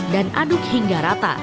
dan aduk hingga rata